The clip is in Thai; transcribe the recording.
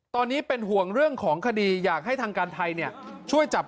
ตอนนี้เป็นห่วงเรื่องของคดีอยากให้ทางการไทยช่วยจับ